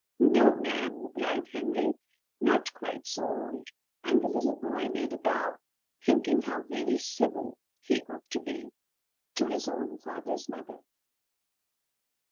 "No, ma'am," replied Henry, "not quite so old;" and the little boy made a bow, thinking how very civil he ought to be to his own father's mother.